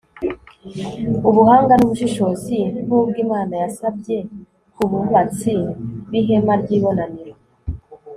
ubuhanga n'ubushishozi nk'ubwo imana yasabye ku bubatsi b'ihema ry'ibonaniro